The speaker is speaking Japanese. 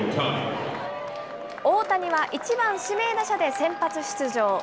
大谷は１番指名打者で先発出場。